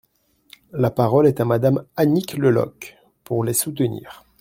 La parole est à Madame Annick Le Loch, pour les soutenir.